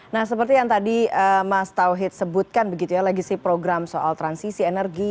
nah seperti yang tadi mas tauhid sebutkan begitu ya legasi program soal transisi energi